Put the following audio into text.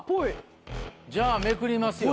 じゃあめくりますよ。